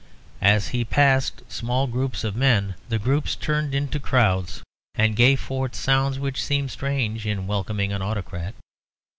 As he passed small groups of men, the groups turned into crowds, and gave forth sounds which seemed strange in welcoming an autocrat.